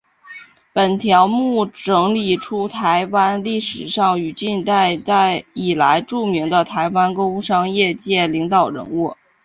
本条目整理出台湾历史上与近代以来著名的台湾工商业界领导人物。